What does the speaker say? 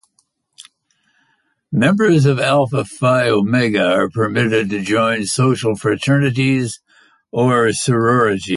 Members of Alpha Phi Omega are permitted to join social fraternities or sororities.